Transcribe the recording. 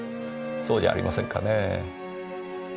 そうじゃありませんかねぇ。